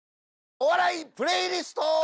『お笑いプレイリスト』！